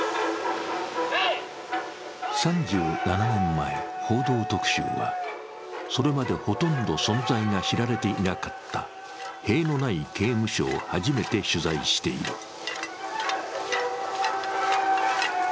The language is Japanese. ３７年前「報道特集」は、それまでほとんど存在が知られていなかった塀のない刑務所を初めて取材している。